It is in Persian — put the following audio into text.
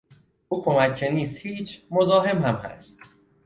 او کمک که نیست هیچ، مزاحم هم هست.